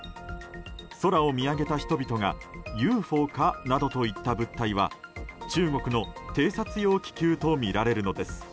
空を見上げた人々がＵＦＯか？などといった物体は中国の偵察用気球とみられるのです。